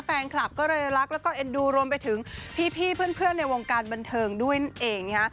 แฟนคลับเรียกรักและเอ็นดูรวมไปถึงพี่เพื่อนในวงการบันเทิงด้วยเอง